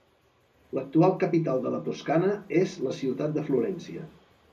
L'actual capital de la Toscana és la ciutat de Florència.